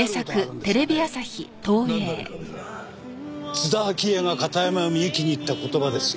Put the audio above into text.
津田明江が片山みゆきに言った言葉ですよ。